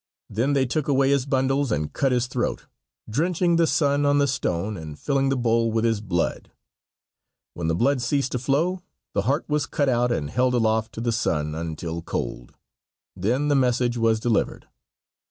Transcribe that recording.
Then they took away his bundles and cut his throat, drenching the sun on the stone and filling the bowl with his blood. When the blood ceased to flow the heart was cut out and held aloft to the sun until cold. Then the message was delivered.